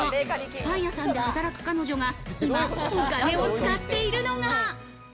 パン屋さんで働く彼女が今、お金を使っているのが。